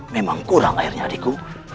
memang kurang airnya adikku